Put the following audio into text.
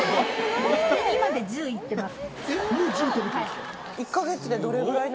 今で１０いってます。